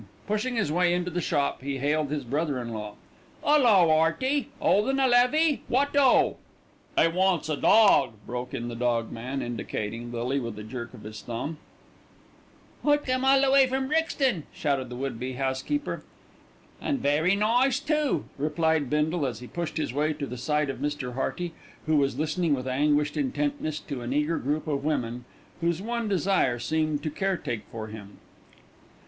Pushing his way into the shop he hailed his brother in law. "'Ullo, 'Earty; 'oldin' a levée? What oh!" "'E wants a dawg," broke in the dog man, indicating Lily with a jerk of his thumb. "I come all the way from Brixton," shouted the would be housekeeper. "An' very nice, too," replied Bindle, as he pushed his way to the side of Mr. Hearty, who was listening with anguished intentness to an eager group of women whose one desire seemed to caretake for him.